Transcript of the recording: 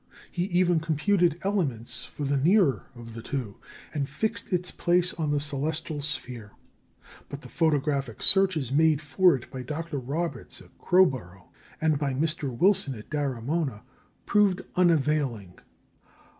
He even computed elements for the nearer of the two, and fixed its place on the celestial sphere; but the photographic searches made for it by Dr. Roberts at Crowborough and by Mr. Wilson at Daramona proved unavailing.